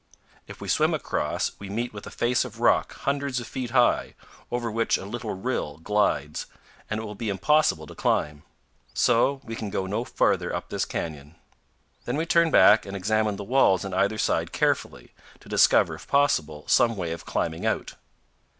If we swim across we meet with a face of rock hundreds of feet high, over which a little rill glides, and it will be impossible to climb. So we can go no farther up this canyon. Then we turn back and examine the walls on either side carefully, to discover, if possible, some way of climbing out.